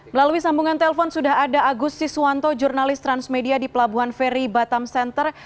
melalui sambungan telpon sudah ada agus siswanto jurnalis transmedia di pelabuhan feri batam center